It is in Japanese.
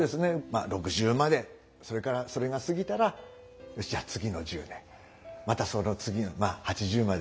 まあ６０までそれからそれが過ぎたらじゃあ次の１０年またその次の８０まで元気でいられたら。